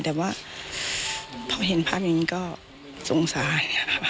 แต่ว่าพอเห็นภาพอย่างนี้ก็สงสาร